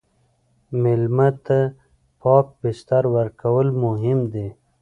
مېلمه ته پاک بستر ورکول مهم دي.